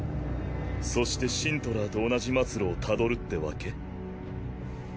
そしてシントラーと同じ末路をたどるってわけ？